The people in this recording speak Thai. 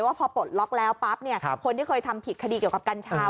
ว่าพอปลดล็อกแล้วปั๊บคนที่เคยทำผิดคดีเกี่ยวกับกัญชา